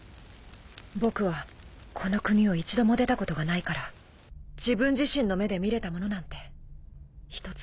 僕はこの国を一度も出たことがないから自分自身の目で見れたものなんて一つもないんだ。